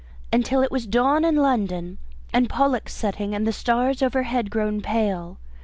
Until it was dawn in London and Pollux setting and the stars overhead grown pale.